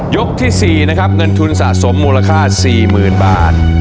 ที่๔นะครับเงินทุนสะสมมูลค่า๔๐๐๐บาท